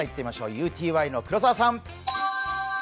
ＵＴＹの黒澤さん。